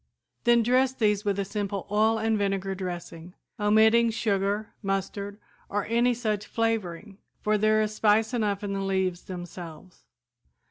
Then dress these with a simple oil and vinegar dressing, omitting sugar, mustard or any such flavoring, for there is spice enough in the leaves themselves.